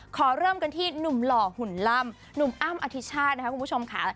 ขอเริ่มกันที่หนุ่มหล่อหุ่นล่ำหนุ่มอ้ำอธิชาตินะคะคุณผู้ชมค่ะ